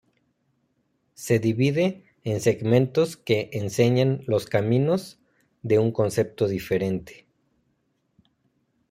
Se divide en segmentos que enseñan los caminos de un concepto diferente.